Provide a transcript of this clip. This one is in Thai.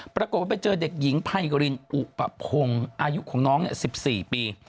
ปรากฏว่าไปเจอเด็กหญิงไพรินอุปพงศ์อายุของน้อง๑๔ปี